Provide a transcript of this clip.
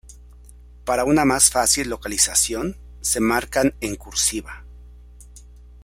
Para una más fácil localización, se marcan en cursiva.